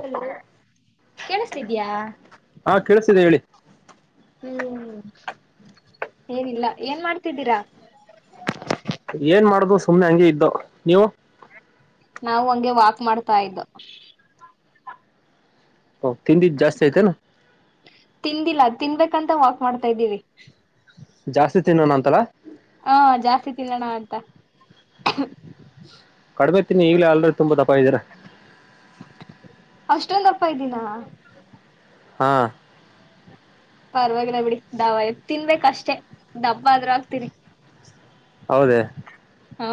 Hello ಕೇಳಿಸ್ತಿದಯ ಹಾ ಕೇಳಿಸ್ತಿದೆ ಹೇಳಿ ಹ್ಮ್ ಏನಿಲ್ಲ ಏನ್ ಮಾಡ್ತಿದ್ದೀರಾ ಏನ್ ಮಾಡು ಸುಮ್ನೆ ಹಂಗಗೆ ಇದ್ದು ನೀವು ನಾವು ಹಂಗೆ ವಾಕ್ ಮಾಡ್ತಾ ಇದ್ದ ಹ ತಿನ್ ದ ಜಾಸ್ತಿ ಆಐತೆ ನ ತಿಂದಿಲ್ಲ ತಿನ್ಬೇಕಂತ ವಾಕ್ ಮಾಡ್ತಾ್ದೀವಿ ತಿನ್ನೋ ನಂತರ ಹಾ ಜಾಸ್ತಿ ತಿನ್ನೋಣ ಅಂತ ಕಡಿಮೆ ತಿಿನಿ ಈಗ್ಲ ಅಲ್ರ ತುಂಬಾ ದಪ ಇದ್ರ ಅಷ್ಟೊಂದಪ್ಪ ಇದ್ದೀಿನ ಹಾ ಪರವಾಗಿ ನ ಬಿಡಿ ದವ ಎ ತಿನ್ಬೇಕ ಅಷ್ಟೇ ಡಬ್ಬ ಆದ್ರೂ ಆಗ್ತಿೀರಿ ಹೌದೇ ಹಾ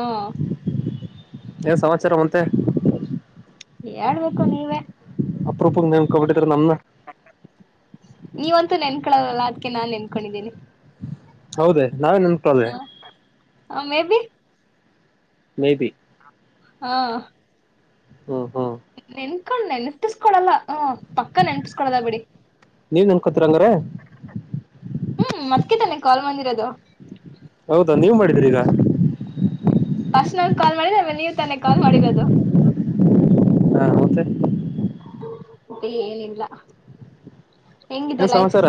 ಏ ಸಮಾಚಾರ ಅಂತೆ ಹೇಳ್ಬೇಕು ನೀವೇ ಅಪ್ರಪು ನನ್ ಕಬಡಿದ್ರ ನಮನ್ನ ನೀವಂತೂ ನೆನ್ಕಳದಲ್ಲ ಅದ್ಕ್ಕೆ ನಾನ್ ನೆನ್ಕೊಂಡಿದ್ದೀನಿ ಹೌದ ನಾವೇನ್ ನನ್ಕಲ್ಲೆ ಹ ಮೇ ಬಿ ಮೇಬಿ ಹಾ ಹಾ ಹಾ ಕ್ಣೆ ನಿರ್ತಿಸಕೊಡಲ್ಲ ಹ ಪಕ್ಕ ನೆನಪಿಸಕೊಡದ ಬಿಡಿ ನೀವ್ ನೆನ್ಕೋತೀರ ಹಂಗಾರೆ ಹ್ಮ್ ಮತ್್ಕ ತಾನೆ ಕಾಲ್ ಮಂದಿರೋದು ಹೌದಾ ನೀವ್ ಮಾಡಿದ್ರಿ ಈಗ ಫಸ್ಟ್ನಾಗ ಕಾಲ್ ಮಾಡಿದೇ ನೀವು ತಾನೆ ಕಾಲ್ ಮಾಡಿರೋದು ಹಾ ಮತ್ತ ಮತ್ತೆ ಏನಿಲ್ಲ ಹೆಂಗಿದೆ ಏನ್ ಲೈಫ್ ಸಮಾಚಾರ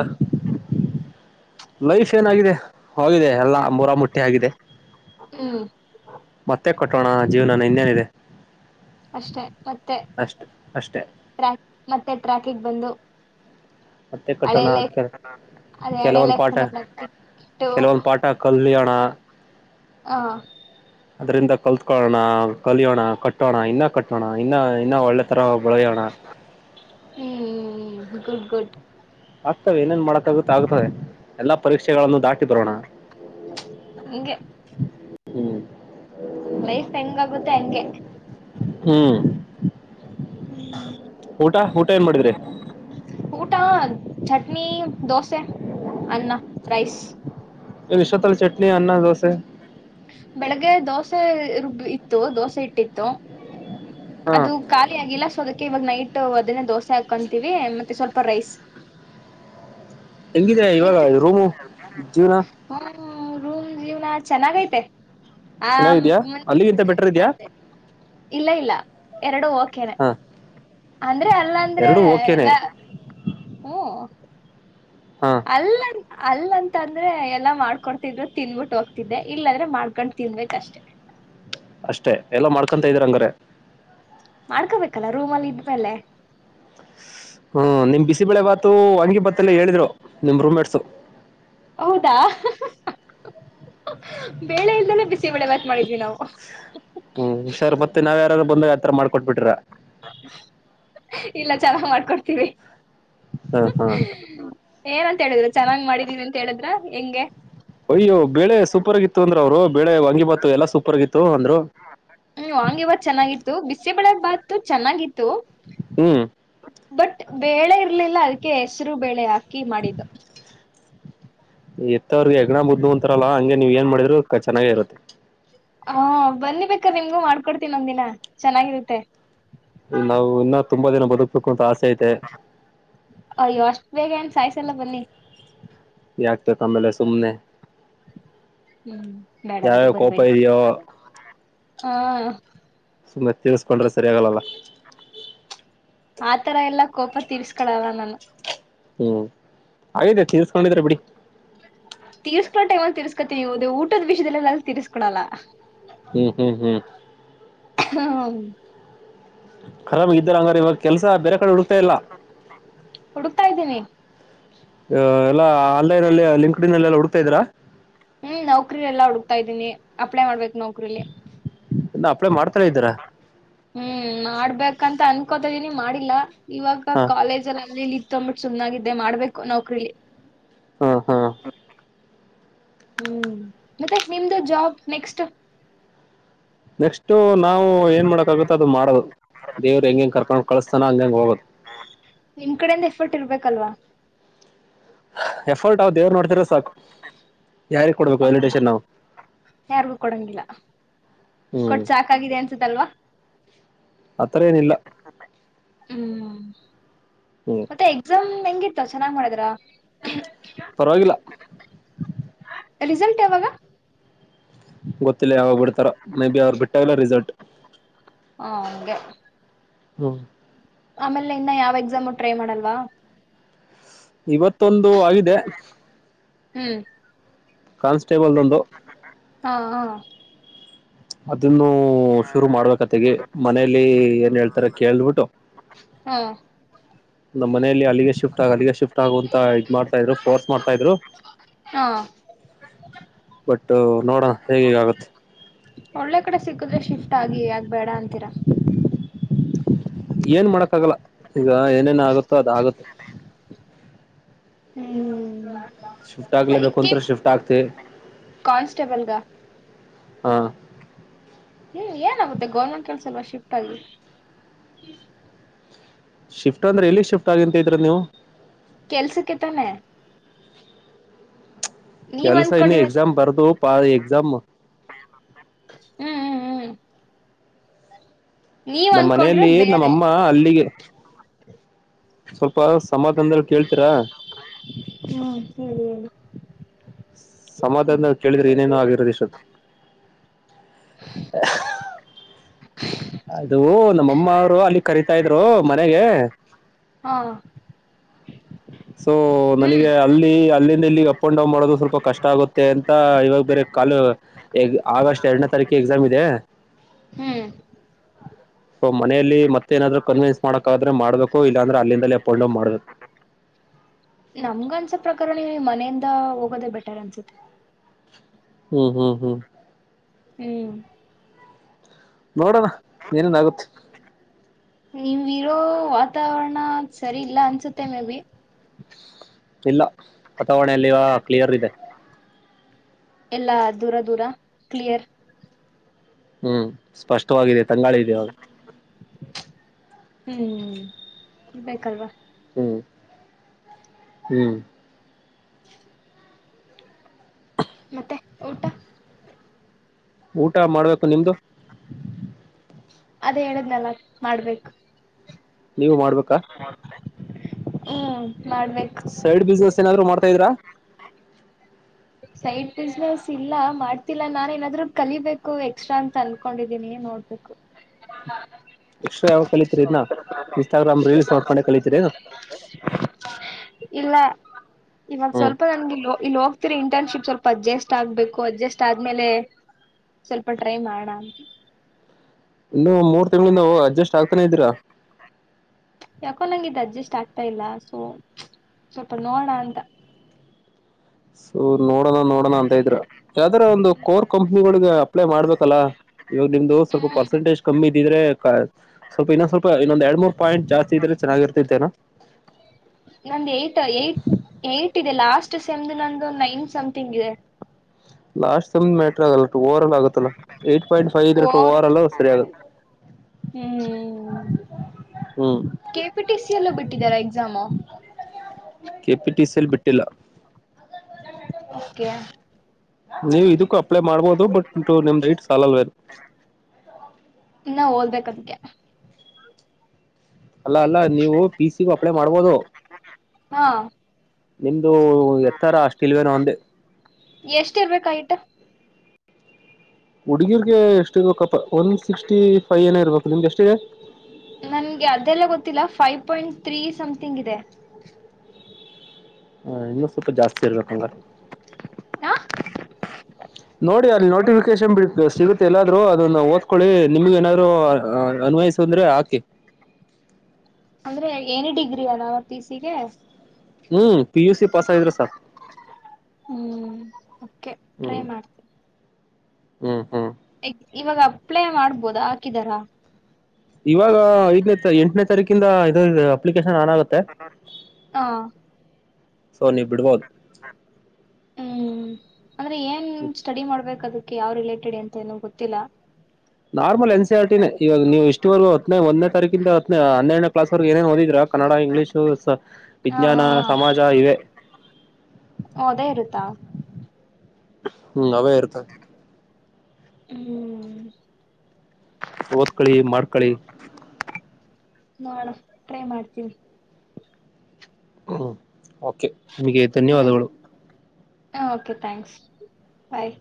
ಲೈಫ್ ಏನಾಗಿದೆ ಹೋಗಿದೆ ಎಲ್ಲಾ ಮುರ ಮುಟ್ಟಿ ಆಗಿದೆ ಹ್ಮ್ ಮತ್ತೆ ಕಟ್ಟೋಣ ಜೀವನಾನ ಇನ್ನೇನ ಇಿದೆ ಅಷ್ಟೆ ಮತ್ತೆ ಅಷ್ಟೇ ಮತ್ತೆ ಟ್ರಾಕಿಗೆ ಬಂದು ಮತ್ತೆ ಹಳೆ ಕಟ್ಟಣ ಲೈಫ್ ಕೆ ಅದೇ ಹಳೆ ಕೆಲವೊಂದು್ ಲೈಫ್ ಪಾಠ ಇಟ್ಟು ಕೆಲವೊಂದು್ ಪಾಠ ಕಲ್ಯಾಣ ಹಾ ಅದ್ರಿಂದ ಕಲ್ತ್ಕೊಳ್ಳೋಣ ಕಲಿಯೋಣ ಕಟ್ಟೋಣ ಇನ್ನ ಕಟ್ಟೋಣ ಇನ್ನ ಇನ್ನ ಒಳ್ಳೆ ಪತ್ರರ ಒಬಳ ಜಾಣ ಹ್ಮ್ ಗುಡ್ ಗುಡ್ ಆಗ್ತವೆ ಏನೇನ್ ಮಾಡಕಾಗುತ್ತ ಆಗ್ತದೆ ಎಲ್ಲಾ ಪರೀಕ್ಷೆಗಳನ್ನು ದಾಟಿ ಬರೋಣ ಹಂಗೆ ಹ್ಮ್ ಲೈಫ್ ಹೆಂಗಗುತ್ತೆ ತಂಗೆ ಹ್ಮ್ ಊಟ ಊಟ ಏನ್ ಮಾಡಿದ್ರಿ ಊಟಾ ಚಟ್ನಿ ದೋಸೆ ಅನ್ನ ರೈಸ್ ಇ ವಿಶತ್ತಲ ಚಟ್ನಿ ಅನ್ನ ದೋಸೆ ಬೆಳಗ್ಗೆ ದೋಸೆ ರುಬ್ ಇತ್ತು ದೋಸೆ ಇಟ್ಟಿತ್ತು ಹಾ ಅದು ಖಾಲಿ ಆಗಿಲ್ಲ ಸೊ ಅದಕ್ಕೆ ಇವಾಗ ನೈಟ್ ಅದನ್ನ ದೋಸೆ ಹಾಕಂತೀವಿ ಮತ್ತೆ ಸ್ವಲ್ಪ ರೈಸ್ ಹೆಗಿದೆ ಇವಾಗ ರೂಮು ಜೀವನ ರೂಮ ಜ ಚೆನ್ನಾಗೈತೆ ಆ ಚೆನ್ನಾಗಿದ್ಯಾ ಅಲ್ಲಿಗಿಂತ ಬೆಟರ್ ಇದ್ಯಾ ಇಲ್ಲ ಇಲ್ಲ ಎರಡು ಓಕ್ಯನೆ ಹಾ ಅಂದ್ರೆ ಅಲ್ಲ ಅಂದ್ರೆ ಎರಡು ಓಕೆನೆ ಎಲ್ಲಾ ಹ್ಮ ಹಾ ಅಲ್ಲರಿ ಅಲ್ಲಂತ ಅಂದ್ರೆ ಎಲ್ಲಾ ಮಾಡ್ಕೊತಿದ್ರು ತಿನ್ಬಿಟ್ಟು ಹೋಗ್ತಿದ್ದೆ ಇಲ್ಲ ಅಂದ್ರೆ ಮಾಡ್ಕೊಂಡ್ ತಿನ್ಬೇಕಷ್ಟೆ ಅಷ್ಟೆ ಎಲ್ಲ ಮಾಡ್ಕೊಂತ ಇದ್ರ ಹಂಗ್ರ ಮಾಡ್ಕೋಬೇಕಲ್ಲ ರೂಮ್ ಅಲ್ಲಿ ಇದ್ಮೇಲೆ ಹ್ಮ ನಿಂಬಿಸ ಬೆಳೆ ಬತುಂಗಿ ಬತ್ತೇ ಹೇಳಿದ್ರು ನಿಮ್ ರೂಮ್ ಸ ಹೌದಾ ಬೇಳೆ ಇಲ್ದನೆೇ ಬಿಸಿಬಳೆ ಮಾಾತ್ ಮಾಡಿದ್ವಿ ನಾವು ಹ್ಮ್ ಹುಷಾರ್ು ಮತ್ತೆ ನಾವ ಯಾರು ಬಂದಾಗ ತರ ಮಾಡಕಟ್ಬ ಬಿಟ್ರ ಇಲ್ಲ ಚೆನ್ನಾಗ್ ಮಾಡ್ಕೊಡ್ತೀವಿ ಹ ಹಾ ಏನಂತ ಹೇಳಿದ್ರ ಚೆನ್ನಾಗಿ್ ಮಾಡಿದೀವಿ ಅ ಹೇಳಿದ್ರ ಹೆಂಗೆ ಅಯ್ಯೋ ಬೆಳೆ ಸೂಪರ್ ಆಗಿತ್ತು ಅಂದ್ರ ಅವರು ಬೆೇಳೆ ವಂಗಿ ಬತ್ತು ಎಲ್ಲಾ ಸೂಪರ್ ಆಗಿತ್ತು ಅಂದ್ರು ಹ್ಮ್ ವಾಂಗಿಬಾತ್ ಚೆನ್ನಾಗಿತ್ತು ಬಿಸಿಬೇಳೆ ಬಾತು ಚೆನ್ನಾಗಿತ್ತು ಹ್ಮ್ ಬಟ್ ಬೆ ಇರ್ಲಿಲ್ಲ ಆಯ್ತ ಹೆಸರು ಬೆಳೆ ಆಗ್ತ ಕೀ ಮಾಡಿದ್ದು ಎತ್ತವರ್ಗೆ ಹೆಗ್ಣ ಬುದುಂತ ಹತ್ರಲ್ಲ ಹಗೆ ನೀವ್ ಏನ್ ಮಾಡಿದ್ರರು ಚೆನ್ನಾಗೇ ಇರುತ್ತೆ ಅಕ್ಕ ನಿಮ್ಗೂ ಮಾಡ್ಕೊಡ್ತೀನ್ ನ ಒಂದ್ಿನ ಚೆನ್ನಾಗಿರುತ್ತೆ ಈ ನಾವು ಇನ್ನೂ ತುಂಬಾ ದಿನ ಬದುಕ್ಬೇಕು ಅಂತ ಆಸೆ ಐತೆ ಸಲ ಬನ್ನಿ ಯಾಕ್ತಕ್ಕ ಆಮೇಲೆ ಸುಮ್ನೆ ಹ್ಮ್ ಬೇಡ ಬಿೇಡಿ ಯಾವ್ಯಾವ ಕೋಪ ಬರ್ಬೇಡಿ ಇದೆಯೋ ಹಾ ತಿಳಸ್ಕೊಂಡ್ರೆ ಸರಿ ಆಗಲ್ಲಲ್ಲ ಆತರ ಎಲ್ಲಾ ಕೋಪ ತೀರ್ಸ್ಕಳವ ನಾನು ಹ್ಮ್ ಹಾಗಗಿದೆ ತಸ್್ಕೊಂಡಿದ್ರ ಬಿಡಿ ತೀಸ್ಕೊಂಟೇ ಒ ತೀರ್ಸ್ಕ ವು ಊಟದ ವಿಷಯಲ್ಲಲ್ಲ ತಿರ್್ಕೊಳಲ್ಲ ಹ್ಮ್ ಹ್ಮ್ ಹ್ಮ್ ಹಾ ಕರಾಮಾಗ ಇದ್ದಾರ ಹಂಗಾರ ಇವಾಗ ಕೆಲಸ ಬೇರೆ ಕಡೆ ಹಡುತ ಹುಡುಕ್ತಾ ಇದ್ದೀನಿ ಆ ಎಲ್ಲ ಆನ್ಲೈನ್ ಅಲ್ಲಿ ಲಿಂಡ್ಲ್ಲ ಹಡು ಇದ್ರಾ ಹ್ಮ್ ನೌಕ್ರ ಎಲ್ಲಾ ಹುಡುಕ್ತಾ ಇದ್ದೀನಿ ಅಪ್ಲೈ ಮಾಡ್ಬೇಕು ನೌಕ್ರಲಿ ಇ ಹಪ್ಳೆ ಮಾಡ್ತಾರ ಇದ್ದಾರ ಕಕೋತ ಇದೀನಿ ಮಾಡಿಲ್ಲಾ ಇವಾಗ ಕಾಲೇಜಲ್ಲಿ ತಂಬಿಟ್ಟ ಸು್ಾಗಿದ್ದೆ ಮಾಡ್ಬೇಕು ನೌಕ್ರರಿ ಹ್ಮ ಹಾ ಹ್ಮ್ ಮತ್ತೆ ನಿಮ್ದು ಜಾಬ್ ನೆಕ್ಸ್ಟ್ ನೆಕ್ಸ್ಟ್ ನಾವು ಏನ್ ಮಾಡಕ್ ಆಗುತ್ತ ಅದು ಮಾಡೋದು ದೇವ್ರ ಹೆಂಗಂಗ ಕರ್ಕೊಂಡ್ ಕಳಸ್ತಾನ ಹಂಗಂಗ ಹೋಗೋದು ನಿಮ್ ಕಡೆಯಿಂದ ಎಫರ್ಟ್ ಇರ್ಬೇಕಲ್ವಾ ಎಫೋರ್ಟ್ ನಾವ್ ದೇವ್ರ ನೋಡ್ತಿರ ಸಾಕು ಯಾರಿಗ್ ಕೊಡ್ಬೇಕು ಹ ವ್ಯಾಲಿಡೇಷನ್ ನಾವು ಯಾರಿಗೂ ಕೊಡಂಗಿಲ್ಲ ಹ್ಮ್ ಕೊಟ್ಟ ಸಾಾಕಾಗಿದೆ ಅನ್ಸುತ್ತಲ್ವಾ ಆತರ ಏನಿಲ್ಲ ಹ್ಮ್ ಹ್ಮ್ ಮತ್ತೆ ಎ ್ ಹೆಂಗಿತ್ತು ಚೆನ್ನಾಗ್ ಮಾಡಿದ್ರ ಪರವಾಗಿಲ್ಲ [inaudible] ರಿಸಲ್ಟ್ ಯಾವಾಗ ಗೊತ್ತಿಲ್ಲ ಯಾವಾಗ ಬಿಡ್ತಾರ ಮೇ ಬಿ ಅವ್ರು ಬಿಟ್ಟಾಗಲ್ಲ ರಿಸಲ್ಟ್ ಹಾ ಹಂಗೆ ಹ್ಮ ಆಮೇಲೆ ಇನ್ನ ಯಾವ್ ಎಕ್ಸಾಮು ಟ್ರೈ ಮಾಡಲ್ವಾ ಇವತ್ತೊಂದು ಆಗಿದೆ ಹು ಕಾನ್ಸ್ಟೇಬಲ್ದ್ ಒಂದು ಹಾ ಹಾ ಅದೇ ಇನ್ನು ಶುರು ಮಾಡ್ಬೇಕತ್ತಗೆ ಮನೇಲಿ ಏನ್ ಹೇಳ್ತಾರೆ ಕೇಳ್ಬಿಟ್ಟು ಹಾ ನಮ್ ಮನೆಲ್ಲಿ ಅಲ್ಲಿಗೆ ಸ ಶಿಫ್ಟ್ ಆಗ್ ಅಲ್ಲಿಗೆ ಶಿಫ್ಟ್ ಆಗ ಅಂತ ಇದ್ ಮಾಡ್ತಾ ಇದ್ರು ಫೋರ್ಸ್ ಮಾಡ್ತಾ ಇದ್ರು, ಹಾ ಬಟ್ ನೋಡಣ ಹೇಗ್ ಆಗುತ್ತೆ ಒಳ್ಳೆ ಕಡೆ ಸಿಕ್ಕುದ್ರೆ ಶಿಫ್ಟ್ ಆಗಿ ಯಾಕ್ ಬೇಡ ಅಂತೀರ ಏನ್ ಮಾಡಕ್ ಆಗಲ್ಲ ಈಗ ಏನೇನ್ ಆಗುತ್ತೋ ಅದ ಆಗುತ್ತೆ ಹ್ಮ್ ಶಿಫ್ಟ್ ಆಗ್ಲೇಬೇಕು ಒಂತರ ಶಿಫ್ಟ್ ಆಗ್ತಿ ಕಾನ್ಸ್ಟೇಬಲ್ಗ ಹಾ ಹ್ಮ್ ಏನಾಗುತ್ತೆ ಗೌರ್ಮೆಂಟ್ ಕೆಲ್ಸ ಅಲ್ವ ಶಿಫ್ಟ್ ಆಗಿ ಶಿಫ್ಟ್ ಅಂದ್ರೆ ಎಲ್ಲಿ ಶಿಫ್ಟ್ ಆಗಿಂತ ಇದ್ರ ನೀವು ಕೆಲ್ಸಕ್ಕೆ ತಾನೆ ನೀವ್ ಕೆಲ್ಸ ಇನ್ನು ಅನ್ಕೊಂಡಿರೋದ ಎಕ್ಸಾಮ್ ಬರ್ದು ಪ ಎಕ್ಸಾಮ್ ಹ್ಮ್ ಹ್ಮ್ ಹ್ಮ್ ನೀವ್ ನಮ್ಮ್ ಮನೆಯಲ್ಲಿ ಅನ್ಕೊಂಡಿರೋದ್ ಬೇರೆ ನಮ್ಮಮ್ಮ ಅಲ್ಲಿಗೆ ಸ್ವಲ್ಪ ಸಮಾಧಾನದಲ್ಲಿ ಕೇಳ್ತೀರ ಹಾ ಹೇಳಿ ಹೇಳಿ ಸಮಾಧಾನದಲ್ ಕೇಳಿದ್ರೆ ಏನೇನೋ ಆಗಿರೋದ್ ಇಷ್ಟೊತ್ ಹ ಅದು ನಮ್ಮಮ್ಮ ಅವ್ರು ಅಲ್ಲಿ ಕರಿತಾ ಇದ್ರು ಮನೆಗೆ ಹಾ ಸೊ ಹ್ಮ್ ನನಿಗೆ ಅಲ್ಲಿ ಅಲ್ಲಿಂದ ಇಲ್ಲಿ ಅಪ್ ಅನ್ ಡೌನ್ ಮಾಡೋದು ಸ್ವಲ್ಪ ಕಷ್ಟ ಆಗುತ್ತೆ ಅಂತ ಇವಾಗ್ ಬೇರೆ ಕಾಲು ಆಗಸ್ಟ್ ಎರಡನೇ ತಾರೀಕು ಎಕ್ಸಾಮ್ ಇದೆ ಹ್ಮ್ ಮನೆಯಲ್ಲಿ ಮತ್ತೆ ಮತ್ತೇನಾದ್ರು ಕನ್ವಿನ್ಸ್ ಮಾಡಕ್ಕಾದ್ರೆ ಮಾಡ್ಬೇಕು ಇಲ್ಲಾಂದ್ರೆ ಅಲ್ಲಿಂದಲೇ ಅಪ್ ಅಂಡ್ ಡೌನ್ ಮಾಡ್ಬೇಕು ನಮ್ಗ ಅನ್ಸೋ ಪ್ರಕಾರ ಮನೆಯಿಂದ ಹೋಗೋದೇ ಬೆಟರ್ ಅನ್ಸುತ್ತೆ ಹ್ಮ್ ಹ್ಮ್ ಹ್ಮ್ ಹು ನೋಡಣ ಏನೇನ್ ಆಗುತ್ತೆ ಇರೊ ವಾತಾವರಣ ಸರಿ ಇಲ್ಲ ಅನ್ಸುತ್ತೆ ಮೇ ಬಿ ಇಲ್ಲ ವಾತಾವಣೆೆಯಲ್ಲಿಯ ಕ್ಲಿಯರ್ ಇದೆ ಎಲ್ಲಾ ದೂರ ದೂರ ಕ್ಲಿಯರ್ ಹ್ಮ್ ಸ್ಪಷ್ಟವಾಗಿದೆ ತಂಗಾಳಿ ಇದೆ ಅವಾಗ ಹ್ಮ್ ಇರ್ ಬೇಕಲ್ವಾ ಹ್ಮ್ ಹ್ಮ್ ಮತ್ತೆ ಊಟ ಊಟ ಮಾಡ್ಬೇಕು ನಿಮ್ದು ಅದೇ ಹೇಳದ್ನಲ್ಲ ಮಾಡ್ಬೇಕು ನೀವು ಮಾಡ್ಬೇಕಾ ಹ್ಮ್ ಮಾಡಬೇಕ ಸೈಡ್ ಬಿಸ್ನೆಸ್ ಏನಾದ್ರು ಮಾಡ್ತಾ ಇದೀರಾ ಸೈಡ್ ಬಿಸ್ನೆಸ್ ಇಲ್ಲ ಮಾಡ್ತಿಲ್ಲ ನಾನ ಏನಾದ್ರು ಕಲಿಬೇಕು ಎಕ್ಸ್ಟ್ರಾ ಅಂತ ಅನ್ಕೊಂಡಿದೀನಿ ನೋಡ್ಬೇಕು ಎಕ್ಸ್ಟ್ರಾ ಯಾವ ಕಲಿತೀರಿ ಇದನ್ನ ಇನ್ಸ್ಟಾಗ್ರಾಮ್ ರೀಲ್ಸ್ ನೋಡ್ಕೊಂಡೆ ಕಲಿತೀರೇನು ಇಲ್ಲ [unintelligible] ಇವಾಗ ಹ್ಮ್ ಸ್ವಲ್ಪ ನನ್ಗೆ ಇಲ್ಲೋ ಇಲ್ಲೋ ಇಂಟರ್ನ್ಶಿಪ್ ಸ್ವಲ್ಪ ಅಡ್ಜಸ್ಟ್ ಆಗ್ಬೇಕು ಅಡ್ಜಸ್ಟ್ ಆದ್ಮೇಲೆ ಸ್ವಲ್ಪ ಟ್ರೈ ಮಾಡ ಅಂತ ಇನ್ನು ಮೂರ್ ತಿಂಗಳ ನಾವು ಅಡ್ಜಸ್ಟ್ ಆಗ್ ಅತ್ತನ ಇದಿರಾ ಯಾಕೋ ನಂಗಿದ ಅಡ್ಜಸ್ಟ್ ಆಗ್ತಾ ಇಲ್ಲ ಸೊ ಸ್ವಲ್ಪ ನೋಡ ಅಂತ [inaudible] ನೋಡೋಣ ನೋಡೋಣ ಅಂತ ಇದ್ರರು ಯಾವ್ದಾರ ಒಂದು ಕೋರ್ ಕಂಪ್ನಿಗಳಿಗೆ ಅಪ್ಲೈ ಮಾಡ್ಬೇಕಲ್ಲ ಇವಾಗ ನಿಮ್ದು ಸ್ವಲ್ಪ ಹ್ಮ್ ಪರ್ಸೆಂಟೇಜ್ ಕಮ್ಮಿ ಇದಿದ್ರೆ ಸ್ಲ್ಪನ್ನ ಸ್ವಲ್ಪ ಇನ್ನೊಂದ ಎರಡ್ ಮೂ ಪಾಯಂಟ್ ಜಾಸ್ ಇದ್ರೆ ಚೆನ್ನಾಗಿರ್ತೇನ ನ ಏಟ್ ಇದೆ ಲಾಸ್ಟ್ ಸೆಮ್ದು ನಂದು ಒ ನೈನ್ ಸಮಥಂಗ್ ಇದೆ ಲಾಸ್ಟ್ ಸಮ್ದ್ ಮ್ಯಾಟರ್ ಆಗಲ್ಲ ಟ ಒರಲ್ ಆಗುತ್ತಾ ಆಗಲ್ಲಾ ಏ ಪಾಯಿಂಟ್ ಫೈವ್ ಇದ್ರ ಟ ಓರ್ ಒರಲ ಸರಿ ಆಗ ಕೆಪಿಟಿಸ ಎಲ್ಲೂ ಬಿಟ್ಟಿದಾರಾ ಎಕ್ಸಾಮು ಕೆಪಿ ಟಿ ಸಿಲ್ಲಿ ಬಿಟ್ಟಿಲ್ಲ ಓಕೆ ನೀವು ಇದಕ್ಕೂ ಅಪ್ಲೈ ಮಾಡ್ಬೋದು ಬಟ್ ನಿಮ ಹೈಟ್ ಸಾಲ ಅಲ್ವೇ [unintelligible] ಅಲ್ಲ ಅಲ್ಲ ನೀವು ಪಿಸಿಗು ಅಪ್ಲೈ ಮಾಡ್ಬೋದು ಹಾ ಹೂಂ ಇದು ಎತ್ತರ ಅಷ್ಟಿಲ್ವ ನ ಒಂದೆ ಎಷ್ಟ ಇರ್ಬೇಕ ಹೈಟ್ ಹುಡುಗಿರ್ಗೆ ಎಷ್ಟ ಇರ್ಬೇಕಪ್ಪ ಒನ್ ಸಿಕ್ಸ್ಟಿ ಫೈವ್ ಏನ ಇರ್ಬೇಕು ನಿಮ್ದ ಎಷ್ಟಿದೆ ನನ್ಗೆ ಅದೆಲ್ಲ ಗೊತ್ತಿಲ್ಲ ಫೈವ್ ಪಾಯಿಂಟ್ ತ್ರೀ ಸಮ್ಥಿಂಗ್ ಇದೆ ಹ ಇನ್ನು ಸ್ವಲ್ಪ ಜಾಸ್ತಿ ಇರ್ಬೇಕಂಗಾರ ಹ ನೋಡಿ ಅಲ್ಲಿ ನೋಟಿಫಿಕೇಶನ್ ಬಿಡ್ ಸಿಗುತ್ತೆ ಎಲ್ಲಾದರ ಅದನ್ನ ಓದ್ಕೊಳ್ಳಿ ನಿಮ್ಗೆ ಏನಾದ್ರು ಅನ್ವಯಸ ಅಂದ್ರೆ ಹಾಕಿ ಅಂದ್ರೆ ಏನಿ ಡಿಗ್ರಿ ಏನ ಪಿಸಿಗೆ ಹ್ಮ್ ಪಿ ಯು ಸಿ ಪಾಸ್ ಆದರೆ ಸಾಕ ಹ್ಮ್ ಓಕೆ ಹ್ಮ ಟ್ರೈ ಮಾಡ್ತೀನಿ ಇವಾಗ ಅಪ್ಲೈ ಮಾಡ್ಬೋದ ಹಾಕಿದಾರಾ ಇವಾಗ ಐದನೇ ಎಂಟನೇ ತಾರೀಕಿಂದ ಏನ್ ಅಪ್ಲಿಕೇಶನ್. ಆನ್ಗುತ್ತೆ. ಹ ಸೊ ನೀವು ಬಿಡ್ಬೋದು. ಹ ಹು ಅಂದ್ರೆ ಏನ್ ಸ್ಟಡಿ ಮಾಡ್ಬೇಕ ಅದಕ್ಕೆ ಯಾವ್ ರಿಲೇಟ್. ಸ್ಟಡಿ ಅಂತ ಏನ ನಂಗ ಗೊತ್ತಿಲ್ಲ. ನಾರ್ಮಲ್ ಎನ್ ಸಿ ಆರ್ ಟಿನೇ ಇವಾಗ ನೀವು ಇಷ್ಟುವರೆಗ ಹತ್ತನೇ ಒಂದನೇ ತಾರೀಕಿಂದ ಹತ್ತನೆ ಹನ್ನೆರನೆ. ಕ್ಲಾಸ್ ವರೆಗೆ ಏನೇನ್ ಓದಿದ್ರ ಕನ್ನಡ ಇಂಗ್ಲಿಷು ಸ ಹ ವಿಜ್ಞಾನ ಸಮಾಜ ಇವೆ ಹ ಅದೇ ಇರುತ್ತಾ ಹ ಅವೇ ಇರುತ್ತವೆ. ಹು ಓದಕ್ಕಳಿ ಮಾಡಕೊಳಿ. ನೋಡನ ಟ್ರೈ ಮಾಡ್ತೀನಿ. ಹು ಕೆ ನಿಮಗೆ ಧನ್ಯವಾದಗಳು. ಹ ಓಕೆ ಥ್ಯಾಂಕ್ಸ್ ಬಾಯ್.